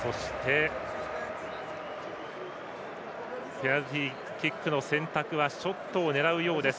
ペナルティーキックの選択はショットを狙うようです